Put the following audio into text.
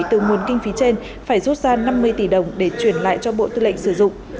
từ nguồn kinh phí trên phải rút ra năm mươi tỷ đồng để chuyển lại cho bộ tư lệnh sử dụng